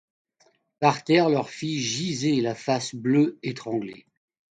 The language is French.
Par terre, leur fille gisait, la face bleue, étranglée.